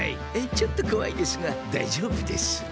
ちょっとこわいですがだいじょうぶです。